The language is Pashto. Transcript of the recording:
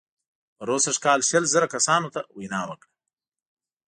پروسږ کال شل زره کسانو ته وینا وکړه.